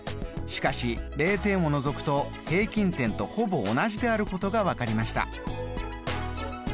しかし０点を除くと平均点とほぼ同じであることが分かりました。